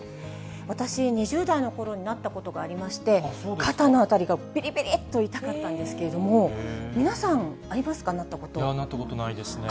私、２０代のころになったことがありまして、肩の辺りがびりびりっと痛かったんですけれども、皆さん、ありまなったことないですね。